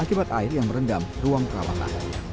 akibat air yang merendam ruang perawatan